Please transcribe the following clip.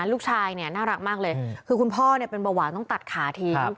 ลูกชายเนี่ยน่ารักมากเลยคือคุณพ่อเนี่ยเป็นเบาหวานต้องตัดขาทิ้ง